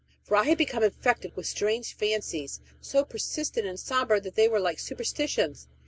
For I had become infected with strange fancies, so persistent and somber that they were like superstitions.